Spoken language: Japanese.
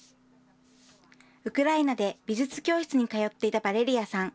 ウクライナで美術教室に通っていたヴァレリアさん。